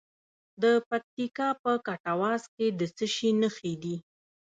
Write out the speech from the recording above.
د پکتیکا په کټواز کې د څه شي نښې دي؟